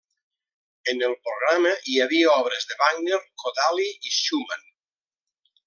En el programa hi havia obres de Wagner, Kodály i Schumann.